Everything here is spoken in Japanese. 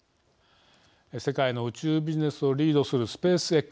世界の宇宙ビジネスをリードするスペースＸ。